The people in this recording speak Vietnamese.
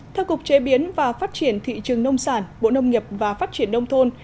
theo cục chế biến và phát triển thị trường nông sản bộ nông nghiệp và phát triển nông thôn